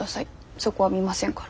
そこは見ませんから。